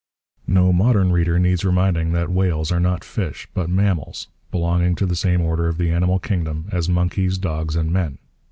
No modern reader needs reminding that whales are not fish but mammals, belonging to the same order of the animal kingdom as monkeys, dogs, and men.